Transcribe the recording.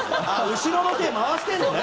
後ろの手回してるのね。